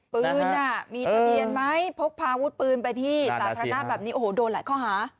ปืนมีทะเบียนไหมพกพาวุฒิปืนไปที่สาธารณะแบบนี้โอ้โหโดนหลายข้อหา